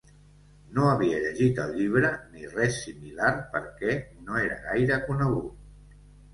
No havia llegit el llibre ni res similar perquè no era gaire conegut.